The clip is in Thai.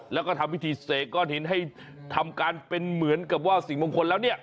แล้วก็ทำพิธีเสกก้อนหินให้ทำการเป็นเหมือนกับว่าสิ่งมงคลแล้วเนี่ย